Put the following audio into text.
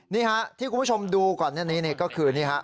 นี่ฮะที่คุณผู้ชมดูก่อนหน้านี้นี่ก็คือนี่ฮะ